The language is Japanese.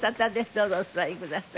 どうぞお座りください。